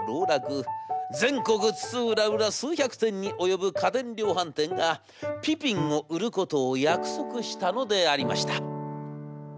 全国津々浦々数百店に及ぶ家電量販店がピピンを売ることを約束したのでありました。